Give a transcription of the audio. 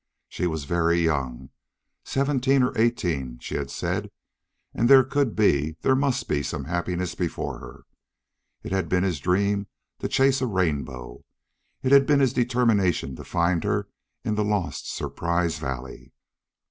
She was very young seventeen or eighteen, she had said and there could be, there must be some happiness before her. It had been his dream to chase a rainbow it had been his determination to find her in the lost Surprise Valley.